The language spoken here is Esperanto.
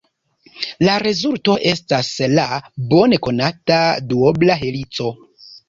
La rezulto estas la bone konata duobla helico.